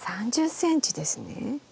３０ｃｍですね。